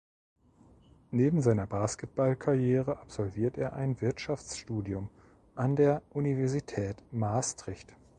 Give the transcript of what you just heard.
Neben seiner Basketballkarriere absolviert er ein Wirtschaftsstudium an der Universität Maastricht.